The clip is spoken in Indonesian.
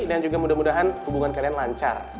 dan juga mudah mudahan hubungan kalian lancar